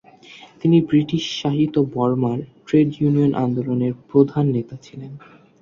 তিনি ব্রিটিশ শাসিত বর্মার ট্রেড ইউনিয়ন আন্দোলনের প্রধান নেতা ছিলেন।